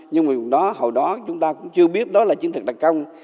nhưng mà đó hồi đó chúng ta cũng chưa biết đó là chiến thực đặc công